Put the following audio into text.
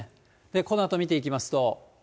このあと見ていきますと。